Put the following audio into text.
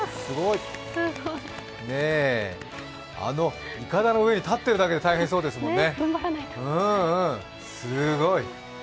いかだの上に立ってるだけで大変そうですもんね、すごい。